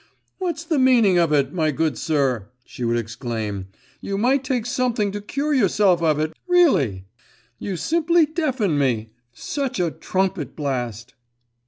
'What's the meaning of it, my good sir!' she would exclaim; 'you might take something to cure yourself of it, really! You simply deafen me. Such a trumpet blast!